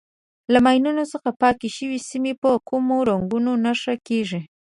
له ماینو څخه پاکې شوې سیمې په کومو رنګونو نښه کېږي.